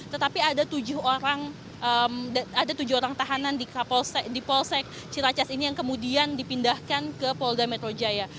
tetapi ada tujuh orang tahanan di polsek ciracas ini yang kemudian dipindahkan ke polda metro jaya